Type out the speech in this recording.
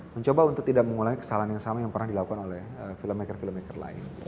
mencoba untuk tidak mengulangi kesalahan yang sama yang pernah dilakukan oleh filmmaker filmmaker lain